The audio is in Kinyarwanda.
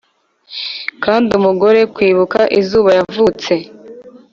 kandi umugore - kwibuka izuba - yavutse.